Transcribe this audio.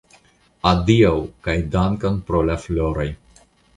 Adiaŭ, kaj dankon pro la floroj.